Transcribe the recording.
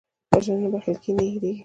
وژنه نه بښل کېږي، نه هېرېږي